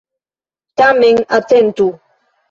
Tamen atentu!